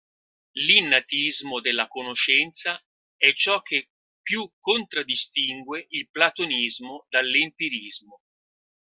L'innatismo della conoscenza è ciò che più contraddistingue il platonismo dall'empirismo.